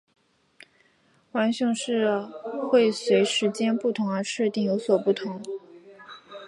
浣熊市会随时间不同而设定有所不同。